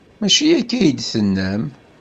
Maci akka ay d-tennam.